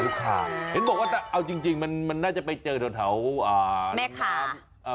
เออลูกคาเห็นบอกว่าเอาจริงมันน่าจะไปเจอแถวแม่คา